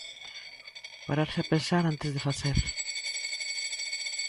Pararse a pensar antes de facer.